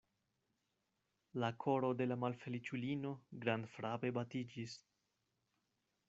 La koro de la malfeliĉulino grandfrape batiĝis.